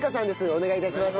お願い致します。